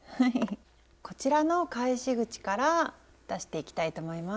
こちらの返し口から出していきたいと思います。